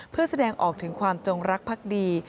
เพื่อแสดงออกถึงความจงรักภักดี